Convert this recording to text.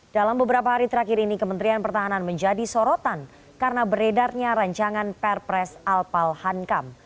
dalam beberapa hari terakhir ini kementerian pertahanan menjadi sorotan karena beredarnya rancangan perpres alpalhankam